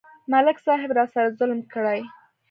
ملک صاحب راسره ظلم کړی.